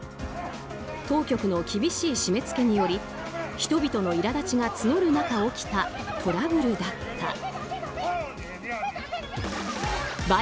当局の厳しい締め付けにより人々のいら立ちが募る中、起きたトラブルだった。